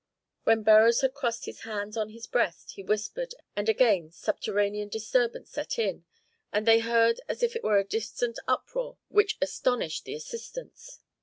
When Beroes had crossed his hands on his breast, he whispered, and again subterranean disturbance set in, and they heard as it were a distant uproar, which astonished the assistants.